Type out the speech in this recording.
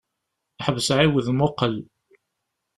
Ḥbes ɛiwed muqel.